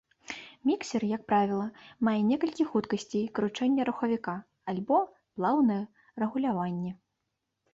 Міксер, як правіла, мае некалькі хуткасцей кручэння рухавіка, альбо плаўнае рэгуляванне.